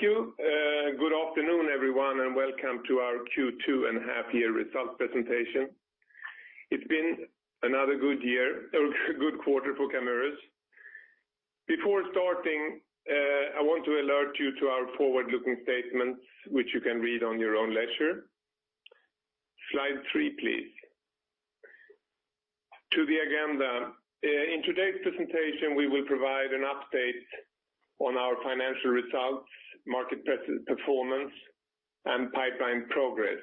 Thank you. Good afternoon, everyone, and welcome to our Q2 and half-year result presentation. It's been another good year, a good quarter for Camurus. Before starting, I want to alert you to our forward-looking statements, which you can read at your own leisure. Slide 3, please. To the agenda. In today's presentation, we will provide an update on our financial results, market performance, and pipeline progress.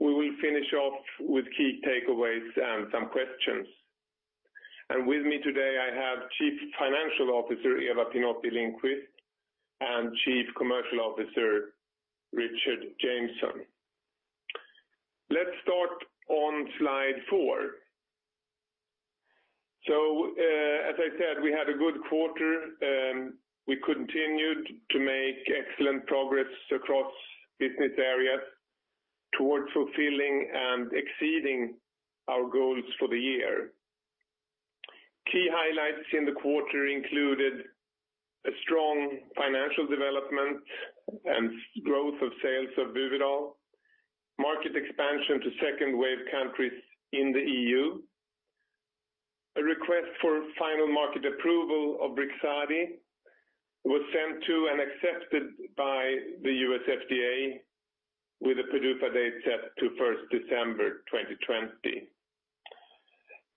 We will finish off with key takeaways and some questions. And with me today, I have Chief Financial Officer Eva Pinotti-Lindqvist and Chief Commercial Officer Richard Jameson. Let's start on slide 4. So, as I said, we had a good quarter. We continued to make excellent progress across business areas towards fulfilling and exceeding our goals for the year. Key highlights in the quarter included a strong financial development and growth of sales of Buvidal, market expansion to second-wave countries in the EU, a request for final market approval of Brixadi was sent to and accepted by the U.S. FDA, with a PDUFA date set to 1 December 2020,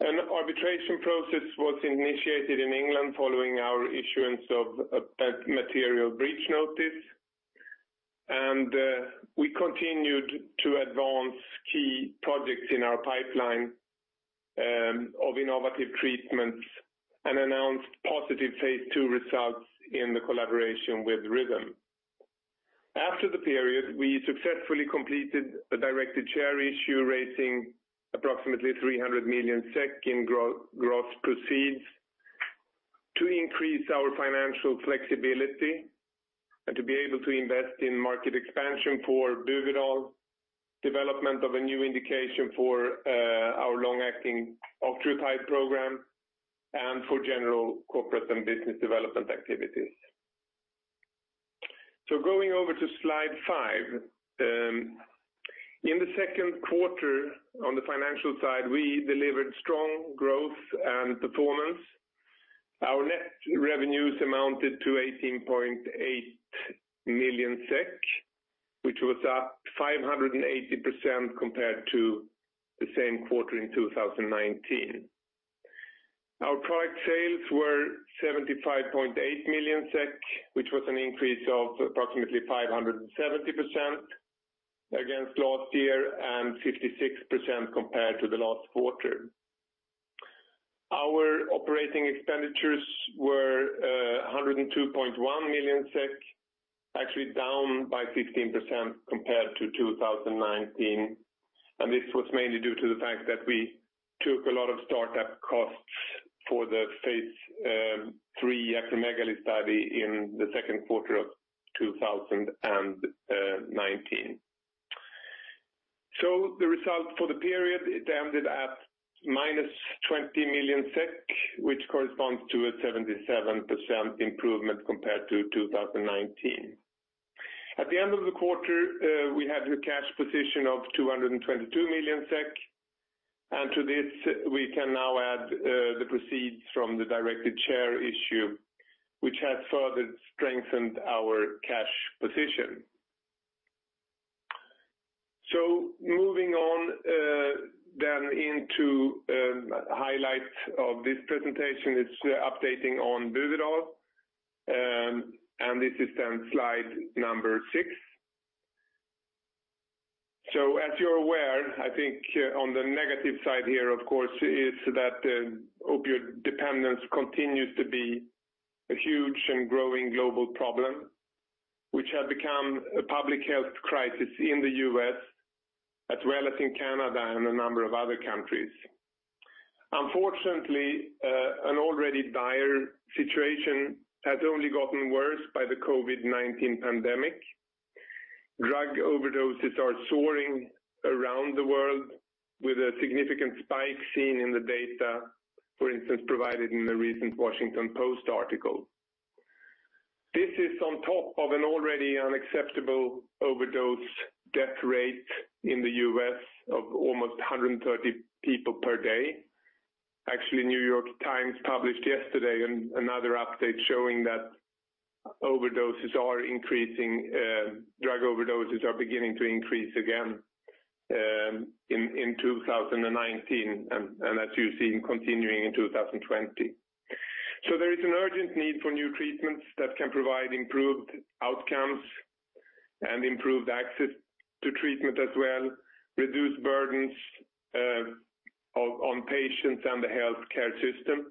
an arbitration process was initiated in England following our issuance of a material breach notice, and we continued to advance key projects in our pipeline of innovative treatments and announced positive phase II results in the collaboration with Rhythm. After the period, we successfully completed a directed share issue raising approximately 300 million SEK in gross proceeds to increase our financial flexibility and to be able to invest in market expansion for Buvidal, development of a new indication for our long-acting octreotide program, and for general corporate and business development activities. So, going over to slide 5. In the second quarter, on the financial side, we delivered strong growth and performance. Our net revenues amounted to 18.8 million SEK, which was up 580% compared to the same quarter in 2019. Our product sales were 75.8 million SEK, which was an increase of approximately 570% against last year and 56% compared to the last quarter. Our operating expenditures were 102.1 million SEK, actually down by 15% compared to 2019. And this was mainly due to the fact that we took a lot of startup costs for the phase III acromegaly study in the second quarter of 2019. So, the result for the period, it ended at minus 20 million SEK, which corresponds to a 77% improvement compared to 2019. At the end of the quarter, we had a cash position of 222 million SEK, and to this we can now add the proceeds from the directed share issue, which has further strengthened our cash position. So, moving on then into highlights of this presentation, it's updating on Buvidal. And this is then slide number six. So, as you're aware, I think on the negative side here, of course, is that opioid dependence continues to be a huge and growing global problem, which has become a public health crisis in the U.S., as well as in Canada and a number of other countries. Unfortunately, an already dire situation has only gotten worse by the COVID-19 pandemic. Drug overdoses are soaring around the world, with a significant spike seen in the data, for instance, provided in the recent Washington Post article. This is on top of an already unacceptable overdose death rate in the U.S. of almost 130 people per day. Actually, New York Times published yesterday another update showing that drug overdoses are beginning to increase again in 2019, and as you've seen, continuing in 2020. So, there is an urgent need for new treatments that can provide improved outcomes and improved access to treatment as well, reduce burdens on patients and the healthcare system.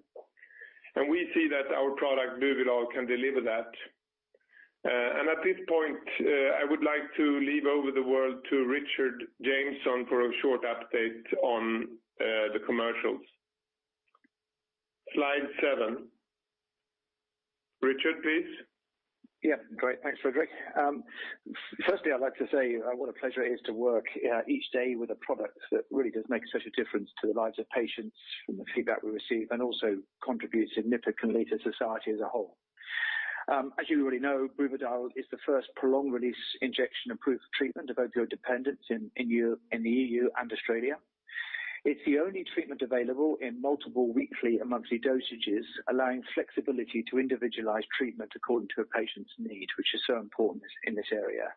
And we see that our product, Buvidal, can deliver that. And at this point, I would like to hand over the floor to Richard Jameson for a short update on the commercials. Slide 7. Richard, please. Yeah, great. Thanks, Fredrik. Firstly, I'd like to say what a pleasure it is to work each day with a product that really does make such a difference to the lives of patients from the feedback we receive and also contributes significantly to society as a whole. As you already know, Buvidal is the first prolonged-release injection-approved treatment of opioid dependence in the EU and Australia. It's the only treatment available in multiple weekly and monthly dosages, allowing flexibility to individualize treatment according to a patient's need, which is so important in this area.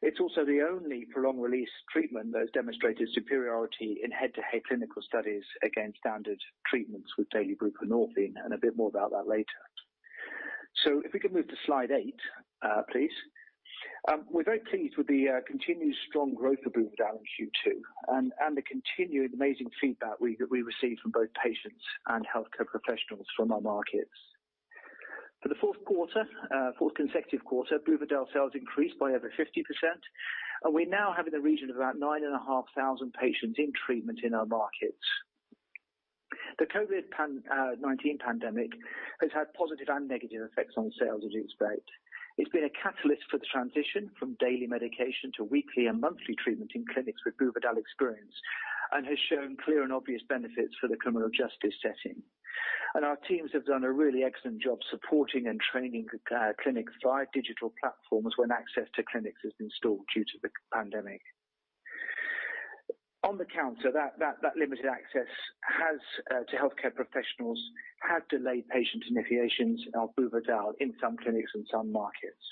It's also the only prolonged-release treatment that has demonstrated superiority in head-to-head clinical studies against standard treatments with daily buprenorphine, and a bit more about that later. So, if we can move to slide 8, please. We're very pleased with the continued strong growth of Buvidal in Q2 and the continued amazing feedback we received from both patients and healthcare professionals from our markets. For the fourth consecutive quarter, Buvidal sales increased by over 50%, and we're now reaching about 9,500 patients in treatment in our markets. The COVID-19 pandemic has had positive and negative effects on sales, as you'd expect. It's been a catalyst for the transition from daily medication to weekly and monthly treatment in clinics with Buvidal experience and has shown clear and obvious benefits for the criminal justice setting. Our teams have done a really excellent job supporting and training clinics via digital platforms when access to clinics has been stalled due to the pandemic. On the other hand, that limited access to healthcare professionals has delayed patient initiations of Buvidal in some clinics and some markets.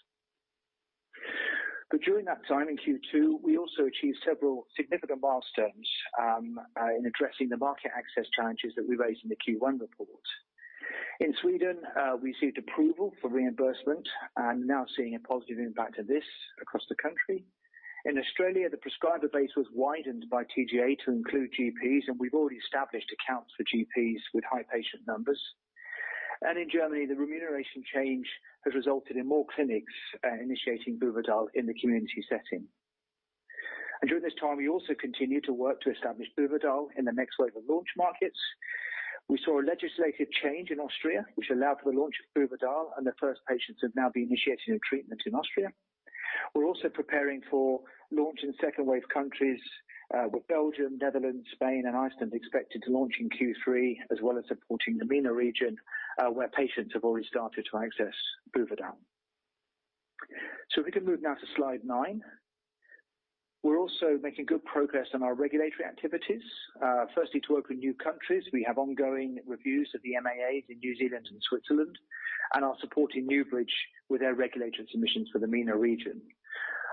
But during that time in Q2, we also achieved several significant milestones in addressing the market access challenges that we raised in the Q1 report. In Sweden, we received approval for reimbursement and are now seeing a positive impact of this across the country. In Australia, the prescriber base was widened by TGA to include GPs, and we've already established accounts for GPs with high patient numbers. And in Germany, the remuneration change has resulted in more clinics initiating Buvidal in the community setting. And during this time, we also continue to work to establish Buvidal in the next wave of launch markets. We saw a legislative change in Austria, which allowed for the launch of Buvidal, and the first patients have now been initiated in treatment in Austria. We're also preparing for launch in second-wave countries, with Belgium, Netherlands, Spain, and Iceland expected to launch in Q3, as well as supporting the MENA region, where patients have already started to access Buvidal, so if we can move now to slide 9. We're also making good progress on our regulatory activities. Firstly, to open new countries, we have ongoing reviews of the MAAs in New Zealand and Switzerland, and are supporting NewBridge with their regulatory submissions for the MENA region,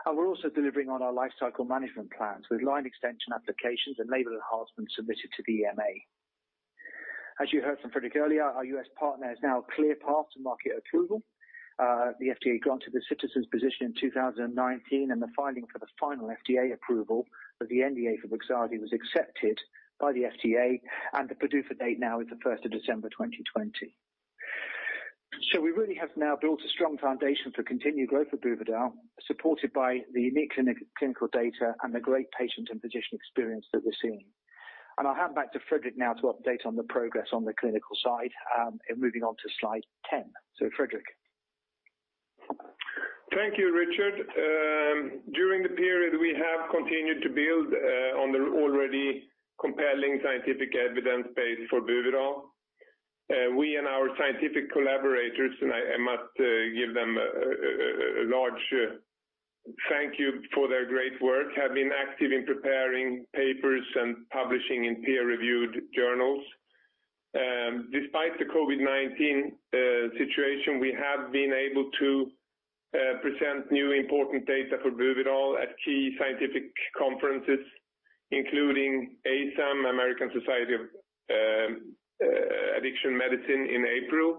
and we're also delivering on our life cycle management plans with line extension applications and label enhancements submitted to the EMA. As you heard from Fredrik earlier, our U.S. partner has now cleared path to market approval. The FDA granted the citizen petition in 2019, and the filing for the final FDA approval of the NDA for Brixadi was accepted by the FDA, and the PDUFA date now is 1 December 2020. So, we really have now built a strong foundation for continued growth of Buvidal, supported by the unique clinical data and the great patient and physician experience that we're seeing. And I'll hand back to Fredrik now to update on the progress on the clinical side and moving on to slide 10. So, Fredrik. Thank you, Richard. During the period, we have continued to build on the already compelling scientific evidence base for Buvidal. We and our scientific collaborators, and I must give them a large thank you for their great work, have been active in preparing papers and publishing in peer-reviewed journals. Despite the COVID-19 situation, we have been able to present new important data for Buvidal at key scientific conferences, including ASAM, American Society of Addiction Medicine, in April,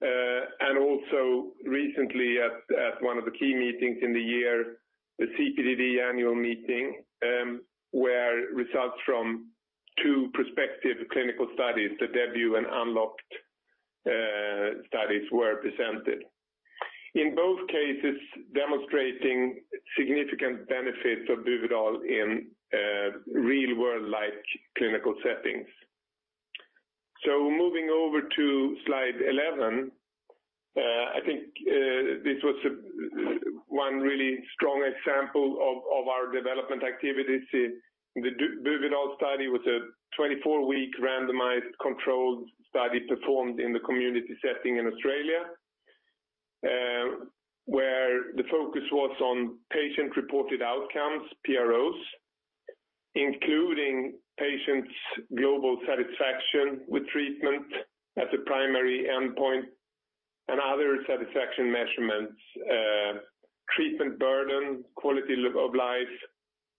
and also recently at one of the key meetings in the year, the CPDD annual meeting, where results from two prospective clinical studies, the DEBUT and UNLOC-T studies, were presented. In both cases, demonstrating significant benefits of Buvidal in real-world-like clinical settings. So, moving over to slide 11, I think this was one really strong example of our development activities. The Buvidal study was a 24-week randomized controlled study performed in the community setting in Australia, where the focus was on patient-reported outcomes, PROs, including patient's global satisfaction with treatment as a primary endpoint and other satisfaction measurements, treatment burden, quality of life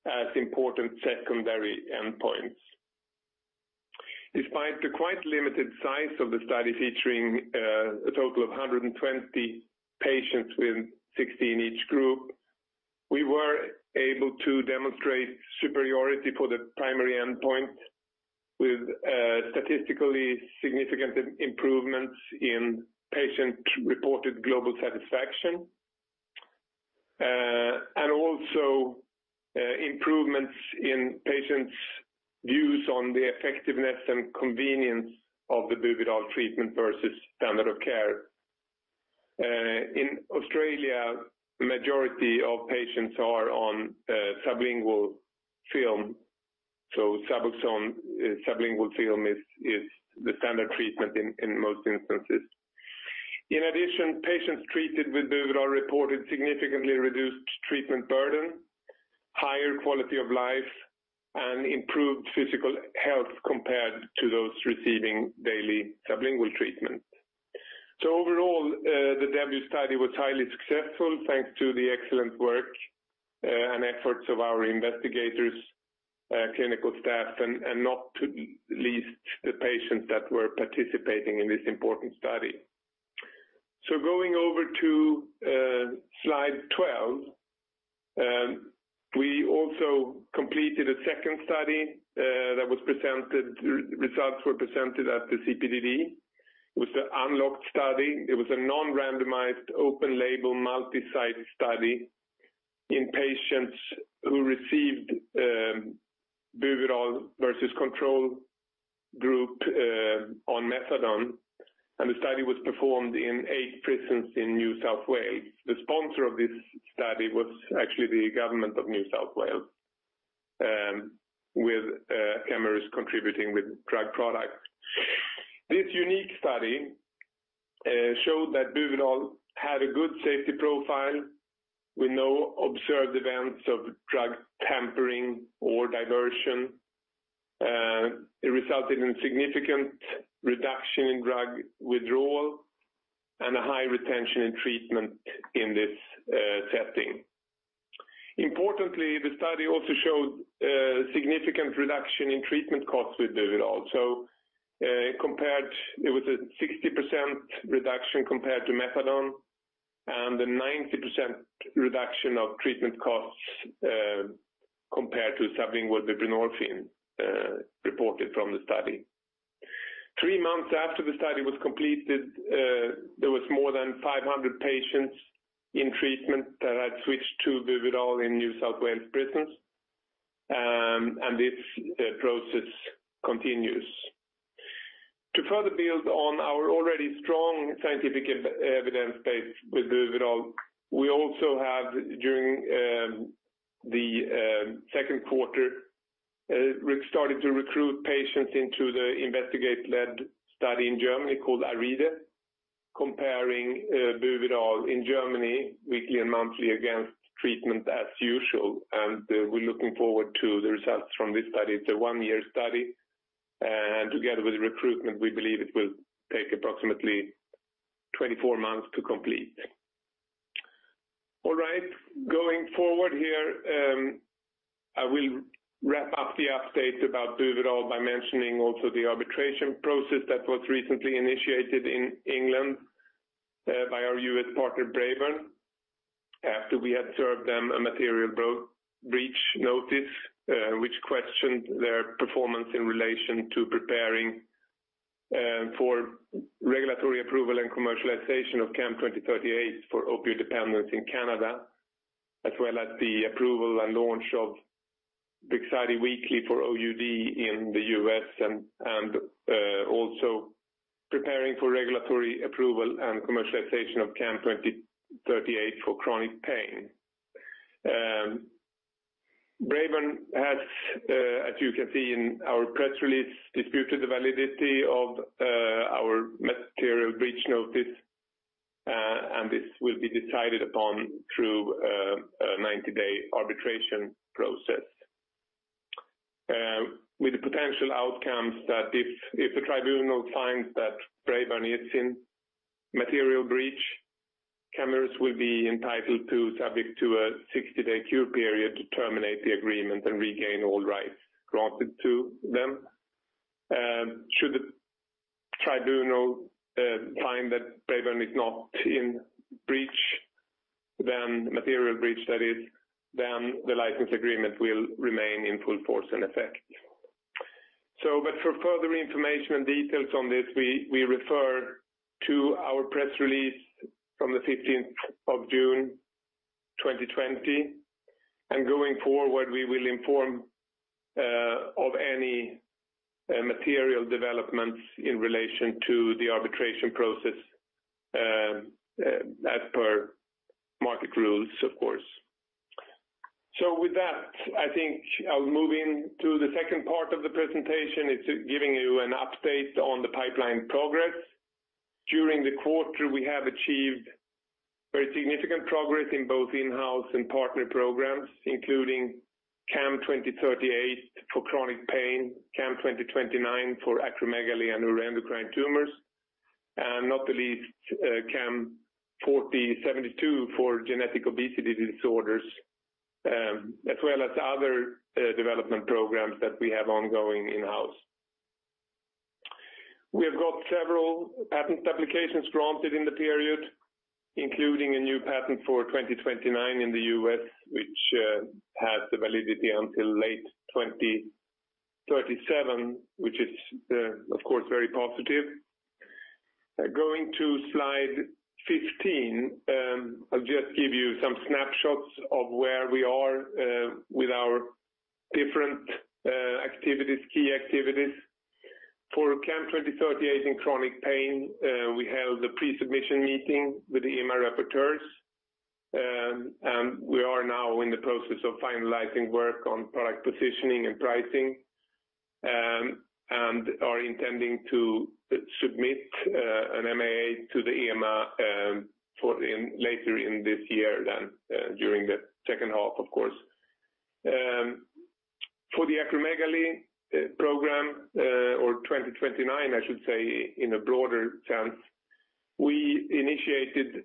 as important secondary endpoints. Despite the quite limited size of the study featuring a total of 120 patients with 16 each group, we were able to demonstrate superiority for the primary endpoint with statistically significant improvements in patient-reported global satisfaction and also improvements in patient's views on the effectiveness and convenience of the Buvidal treatment versus standard of care. In Australia, the majority of patients are on sublingual film, so Suboxone sublingual film is the standard treatment in most instances. In addition, patients treated with Buvidal reported significantly reduced treatment burden, higher quality of life, and improved physical health compared to those receiving daily sublingual treatment. Overall, the DEBUT study was highly successful thanks to the excellent work and efforts of our investigators, clinical staff, and not least the patients that were participating in this important study. Going over to slide 12, we also completed a second study that was presented. Results were presented at the CPDD. It was the UNLOC-T study. It was a non-randomized open-label multi-site study in patients who received Buvidal versus control group on methadone, and the study was performed in eight prisons in New South Wales. The sponsor of this study was actually the government of New South Wales, with Camurus contributing with drug products. This unique study showed that Buvidal had a good safety profile with no observed events of drug tampering or diversion. It resulted in significant reduction in drug withdrawal and a high retention in treatment in this setting. Importantly, the study also showed significant reduction in treatment costs with Buvidal. So, it was a 60% reduction compared to methadone and a 90% reduction of treatment costs compared to sublingual buprenorphine reported from the study. Three months after the study was completed, there were more than 500 patients in treatment that had switched to Buvidal in New South Wales prisons, and this process continues. To further build on our already strong scientific evidence base with Buvidal, we also have, during the second quarter, started to recruit patients into the investigator-led study in Germany called ARIDA, comparing Buvidal in Germany weekly and monthly against treatment as usual, and we're looking forward to the results from this study. It's a one-year study, and together with recruitment, we believe it will take approximately 24 months to complete. All right, going forward here, I will wrap up the update about Buvidal by mentioning also the arbitration process that was recently initiated in England by our U.S. partner Braeburn, after we had served them a material breach notice which questioned their performance in relation to preparing for regulatory approval and commercialization of CAM2038 for opioid dependence in Canada, as well as the approval and launch of Brixadi Weekly for OUD in the U.S. and also preparing for regulatory approval and commercialization of CAM2038 for chronic pain. Braeburn has, as you can see in our press release, disputed the validity of our material breach notice, and this will be decided upon through a 90-day arbitration process. With the potential outcomes that if the tribunal finds that Braeburn needs a material breach, Camurus will be entitled to, subject to a 60-day cure period, terminate the agreement and regain all rights granted to them. Should the tribunal find that Braeburn is not in breach, then the license agreement will remain in full force and effect. So, but for further information and details on this, we refer to our press release from the 15th of June 2020, and going forward, we will inform of any material developments in relation to the arbitration process as per market rules, of course. So, with that, I think I'll move into the second part of the presentation. It's giving you an update on the pipeline progress. During the quarter, we have achieved very significant progress in both in-house and partner programs, including CAM2038 for chronic pain, CAM2029 for acromegaly and neuroendocrine tumors, and not the least, CAM4072 for genetic obesity disorders, as well as other development programs that we have ongoing in-house. We have got several patent applications granted in the period, including a new patent for 2029 in the U.S., which has the validity until late 2037, which is, of course, very positive. Going to slide 15, I'll just give you some snapshots of where we are with our different activities, key activities. For CAM2038 in chronic pain, we held a pre-submission meeting with the EMA representatives, and we are now in the process of finalizing work on product positioning and pricing and are intending to submit an MAA to the EMA later this year, during the second half, of course. For the acromegaly program, or 2029, I should say, in a broader sense, we initiated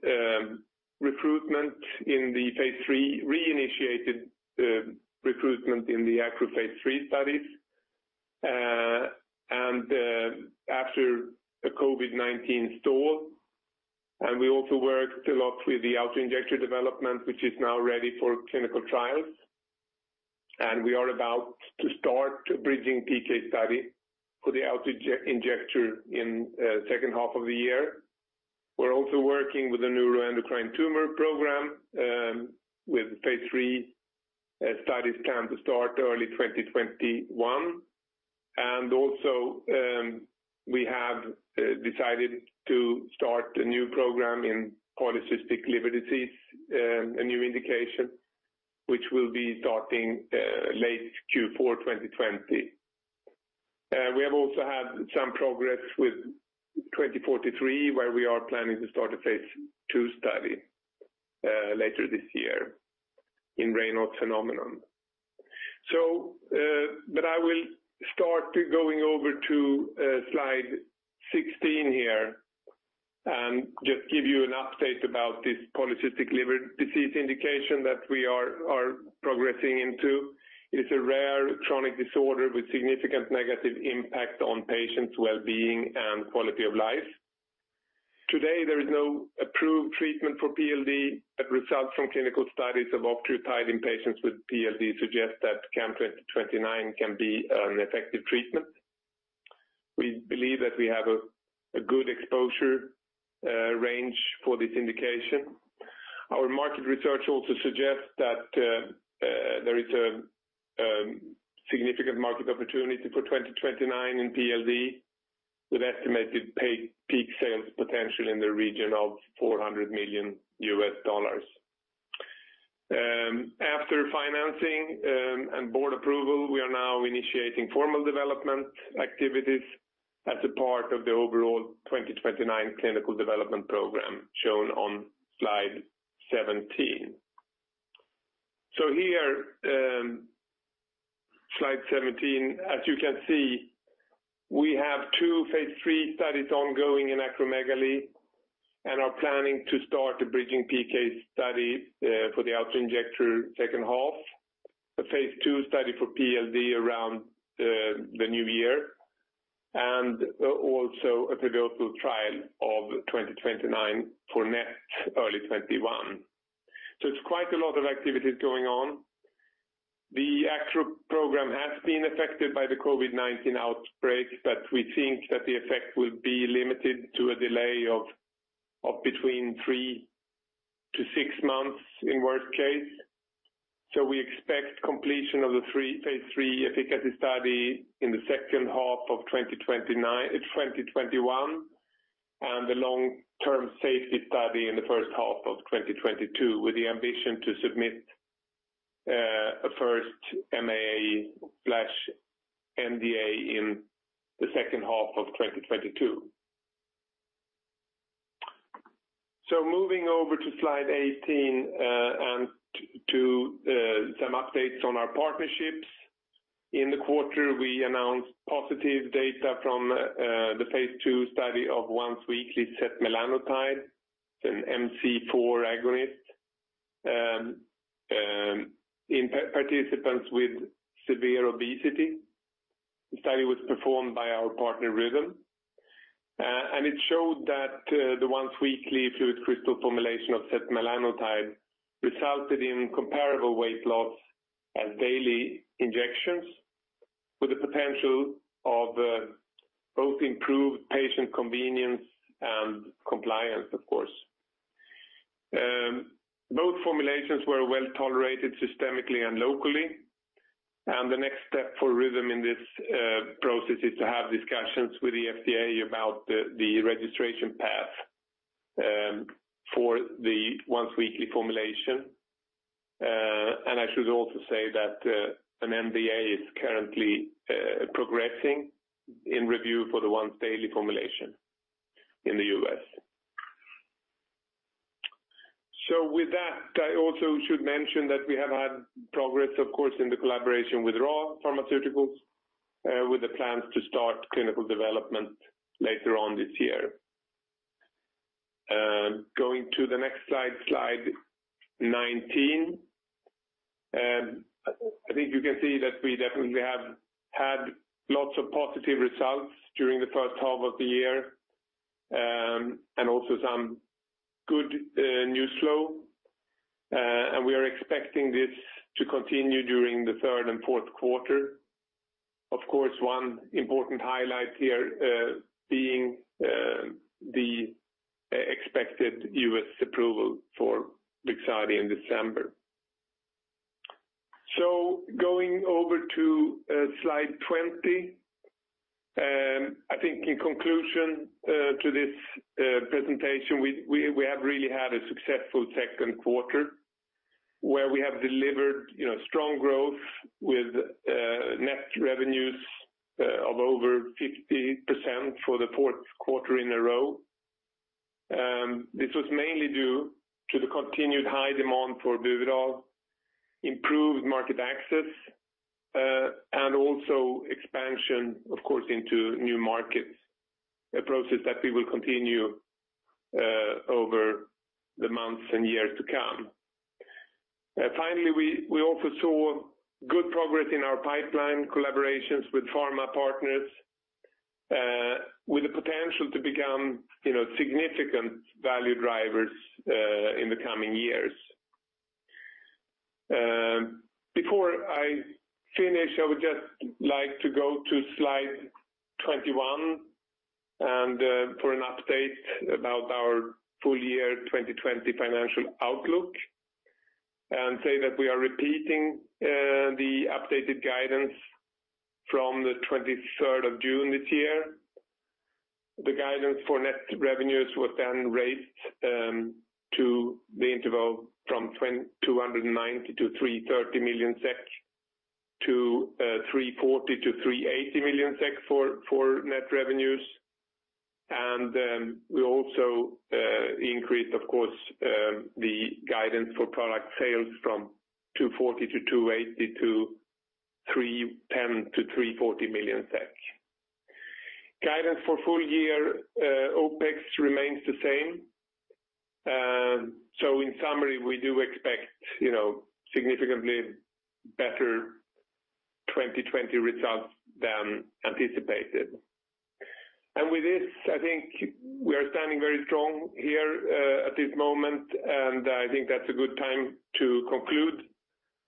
recruitment in the phase III, re-initiated recruitment in the phase III studies, and after a COVID-19 stall, and we also worked a lot with the autoinjector development, which is now ready for clinical trials, and we are about to start a bridging PK study for the autoinjector in the second half of the year. We're also working with the neuroendocrine tumor program with phase III studies planned to start early 2021, and also we have decided to start a new program in polycystic liver disease, a new indication, which will be starting late Q4 2020. We have also had some progress with 2043, where we are planning to start a phase II study later this year in Raynaud's phenomenon. I will start by going over to slide 16 here and just give you an update about this polycystic liver disease indication that we are progressing into. It is a rare chronic disorder with significant negative impact on patients' well-being and quality of life. Today, there is no approved treatment for PLD, but results from clinical studies of octreotide in patients with PLD suggest that CAM2029 can be an effective treatment. We believe that we have a good exposure range for this indication. Our market research also suggests that there is a significant market opportunity for CAM2029 in PLD, with estimated peak sales potential in the region of $400 million. After financing and board approval, we are now initiating formal development activities as a part of the overall CAM2029 clinical development program shown on slide 17. Here, slide 17, as you can see, we have two phase III studies ongoing in acromegaly and are planning to start a bridging PK study for the autoinjector second half, a phase II study for PLD around the new year, and also a pivotal trial of 2029 for NET early 2021. It's quite a lot of activities going on. The acro program has been affected by the COVID-19 outbreak, but we think that the effect will be limited to a delay of between three to six months in worst case. We expect completion of the phase III efficacy study in the second half of 2021 and the long-term safety study in the first half of 2022, with the ambition to submit a first MAA/NDA in the second half of 2022. Moving over to slide 18 and to some updates on our partnerships. In the quarter, we announced positive data from the phase II study of once-weekly setmelanotide, an MC4 agonist in participants with severe obesity. The study was performed by our partner Rhythm, and it showed that the once-weekly FluidCrystal formulation of setmelanotide resulted in comparable weight loss as daily injections, with the potential of both improved patient convenience and compliance, of course. Both formulations were well tolerated systemically and locally, and the next step for Rhythm in this process is to have discussions with the FDA about the registration path for the once-weekly formulation, and I should also say that an NDA is currently progressing in review for the once-daily formulation in the U.S. With that, I also should mention that we have had progress, of course, in the collaboration with Ra Pharmaceuticals, with the plans to start clinical development later on this year. Going to the next slide, slide 19, I think you can see that we definitely have had lots of positive results during the first half of the year and also some good news flow, and we are expecting this to continue during the third and fourth quarter. Of course, one important highlight here being the expected U.S. approval for Brixadi in December. So going over to slide 20, I think in conclusion to this presentation, we have really had a successful second quarter where we have delivered strong growth with net revenues of over 50% for the fourth quarter in a row. This was mainly due to the continued high demand for Buvidal, improved market access, and also expansion, of course, into new markets, a process that we will continue over the months and years to come. Finally, we also saw good progress in our pipeline collaborations with pharma partners, with the potential to become significant value drivers in the coming years. Before I finish, I would just like to go to slide 21 and for an update about our full year 2020 financial outlook and say that we are repeating the updated guidance from the 23rd of June this year. The guidance for net revenues was then raised to the interval from 290 million- 330 million SEK 340 million-380 million SEK for net revenues, and we also increased, of course, the guidance for product sales from 240 million-280 to 310 million-340 million SEK. Guidance for full year OPEX remains the same. So in summary, we do expect significantly better 2020 results than anticipated. And with this, I think we are standing very strong here at this moment, and I think that's a good time to conclude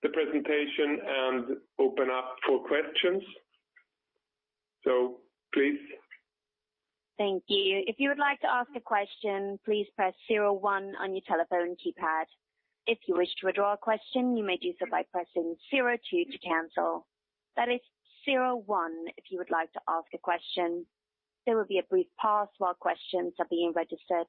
the presentation and open up for questions. So please. Thank you. If you would like to ask a question, please press 01 on your telephone keypad. If you wish to withdraw a question, you may do so by pressing 02 to cancel. That is 01 if you would like to ask a question. There will be a brief pause while questions are being registered.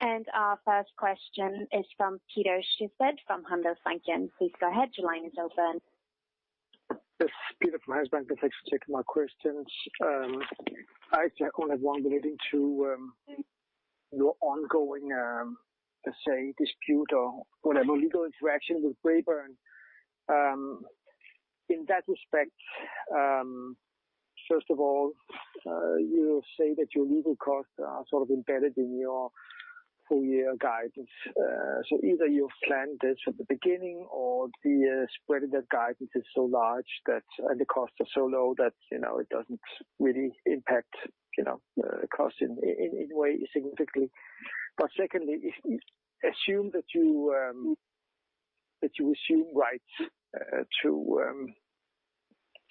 And our first question is from Peter Sehested from Handelsbanken. Please go ahead. Your line is open. Yes, Peter from Handelsbanken would like to take my questions. I actually only have one relating to your ongoing, let's say, dispute or whatever legal interaction with Braeburn. In that respect, first of all, you say that your legal costs are sort of embedded in your full year guidance. So either you've planned this at the beginning or the spread of that guidance is so large that the costs are so low that it doesn't really impact the costs in any way significantly. But secondly, assume that you assume rights to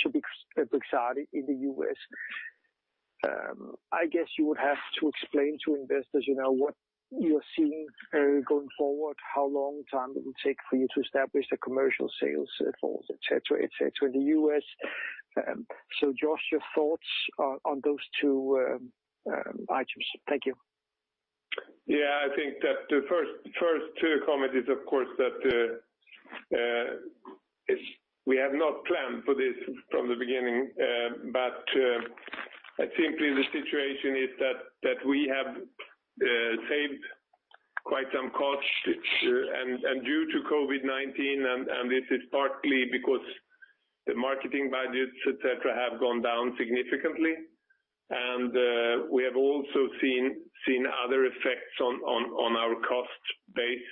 Brixadi in the U.S. I guess you would have to explain to investors what you're seeing going forward, how long time it will take for you to establish the commercial sales force, etc. in the U.S. So just your thoughts on those two items. Thank you. Yeah, I think that the first two comment is, of course, that we have not planned for this from the beginning, but simply the situation is that we have saved quite some costs. Due to COVID-19, and this is partly because the marketing budgets, etc., have gone down significantly, and we have also seen other effects on our cost base.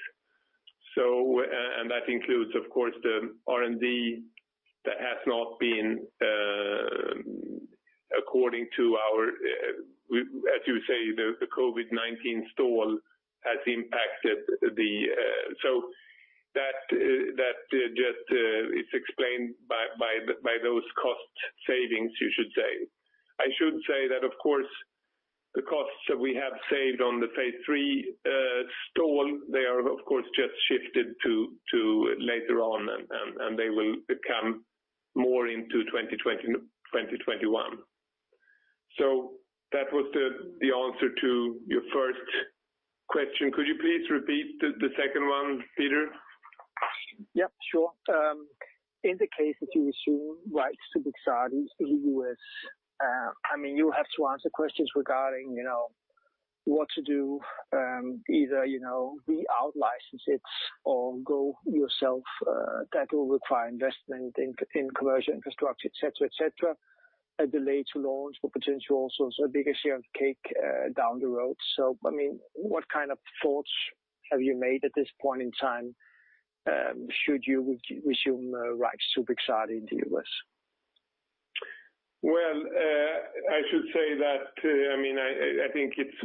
And that includes, of course, the R&D that has not been according to our, as you say, the COVID-19 stall has impacted the. So that just is explained by those cost savings, you should say. I should say that, of course, the costs that we have saved on the phase III stall, they are, of course, just shifted to later on, and they will come more into 2021. So that was the answer to your first question. Could you please repeat the second one, Peter? Yep, sure. In the case that you assume rights to Brixadi in the U.S., I mean, you have to answer questions regarding what to do, either re-outlicense it or go yourself. That will require investment in commercial infrastructure, etc., etc. A delay to launch will potentially also be a share of the cake down the road. So, I mean, what kind of thoughts have you made at this point in time should you resume rights to Brixadi in the U.S.? Well, I should say that, I mean, I think it's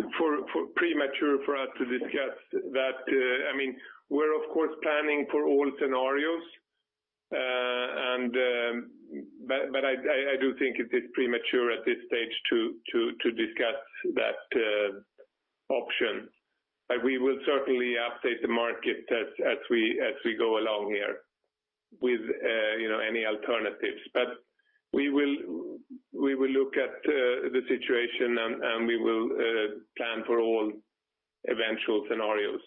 premature for us to discuss that. I mean, we're, of course, planning for all scenarios, but I do think it is premature at this stage to discuss that option. But we will certainly update the market as we go along here with any alternatives. But we will look at the situation, and we will plan for all eventual scenarios.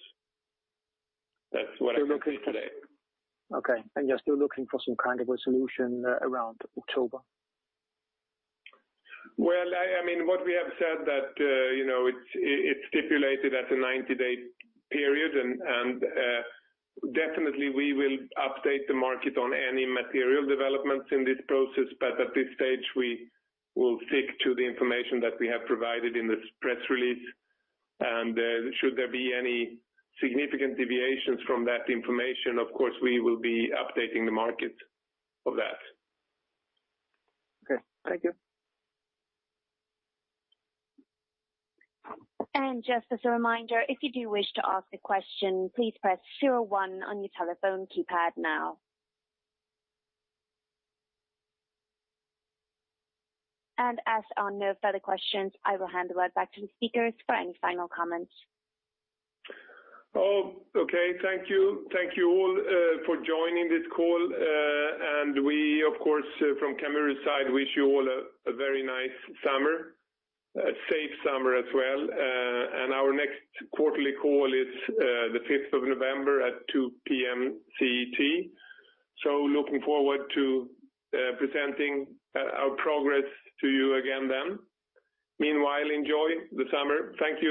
That's what I'm looking at today. Okay. And you're still looking for some kind of a solution around October? Well, I mean, what we have said that it's stipulated as a 90-day period, and definitely we will update the market on any material developments in this process. But at this stage, we will stick to the information that we have provided in the press release. And should there be any significant deviations from that information, of course, we will be updating the market of that. Okay. Thank you. And just as a reminder, if you do wish to ask a question, please press 01 on your telephone keypad now. And as there are no further questions, I will hand the word back to the speakers for any final comments. Okay. Thank you. Thank you all for joining this call. And we, of course, from Camurus side, wish you all a very nice summer, a safe summer as well. And our next quarterly call is the 5th of November at 2:00 P.M. CET. So looking forward to presenting our progress to you again then. Meanwhile, enjoy the summer. Thank you.